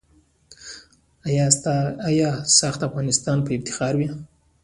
آیا "ساخت افغانستان" به افتخار وي؟